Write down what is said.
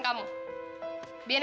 kau mau ngapain